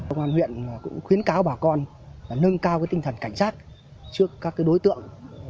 công an huyện cũng khuyến cáo bà con nâng cao cái tinh thần cảnh sát trước các đối tượng